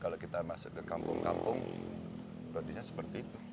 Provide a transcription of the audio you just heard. kalau kita masuk ke kampung kampung bodinya seperti itu